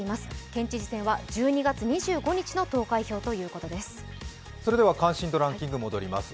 県知事選は１２月２５日の投開票ということです。